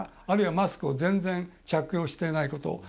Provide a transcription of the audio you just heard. あるいはマスクを全然着用していないこと。